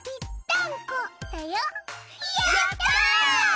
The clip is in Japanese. やった！